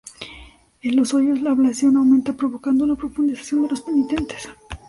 En los hoyos la ablación aumenta provocando una profundización de los penitentes.